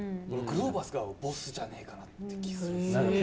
グローバスがボスじゃねえかなって気ぃするんですよね。